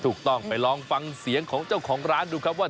ถูกต้องไปลองฟังเสียงของเจ้าของร้านดูครับว่า